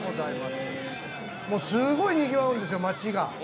町がすごいにぎわうんですよ。